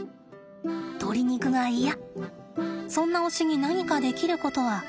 そんな推しに何かできることは。